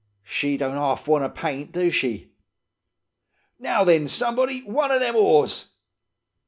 She don't half want paint, do she? Now then, somebody, one of them oars.